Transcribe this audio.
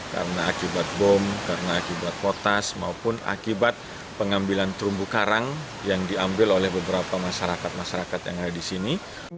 karena akibat bom karena akibat potas maupun akibat pengambilan terumbu karang yang diambil oleh beberapa masyarakat masyarakat yang ada di sini